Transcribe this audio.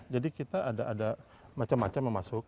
jadi kita ada macam macam yang masuk